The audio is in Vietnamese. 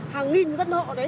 hàng nghìn dân hộ đấy